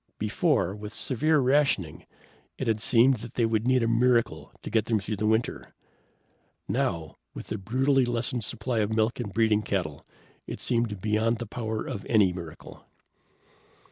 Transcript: Before, with severe rationing, it had seemed that they would need a miracle to get them through the winter. Now, with the brutally lessened supply of milk and breeding cattle, it seemed beyond the power of any miracle.